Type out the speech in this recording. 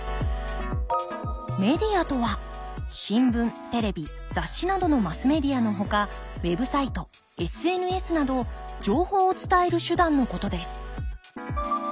メディアとは新聞テレビ雑誌などのマスメディアのほかウェブサイトＳＮＳなど情報を伝える手段のことです。